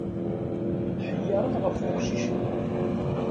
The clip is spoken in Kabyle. Nḥeyyaṛen ɣef uqcic-nni.